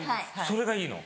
それがいいの？